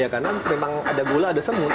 karena memang ada gula ada semut